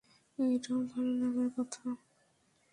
এটাও ভালোই লাগার কথা।